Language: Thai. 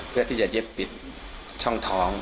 เพื่อที่จะเย็บปิดช่องท้อง